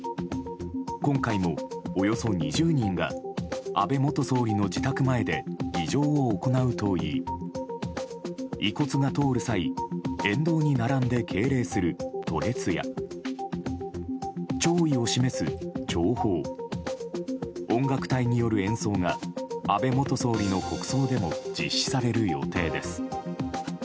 今回もおよそ２０人が安倍元総理の自宅前で儀仗を行うといい遺骨が通る際沿道に並んで敬礼すると列や弔意を示す弔砲音楽隊による演奏が安倍元総理の国葬でも実施される予定です。